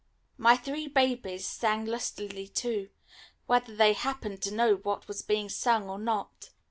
My three babies sang lustily too, whether they happened to know what was being sung or not.